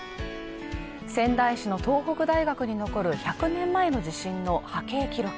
仙台市の東北大学に残る１００年前の地震の波形記録